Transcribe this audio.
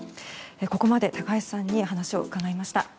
ここまで高橋さんにお話を伺いました。